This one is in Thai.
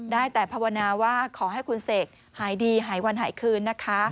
ได้แต่ภาวนาว่าขอให้คุณเสกหายดีหายวันหายคืนนะคะ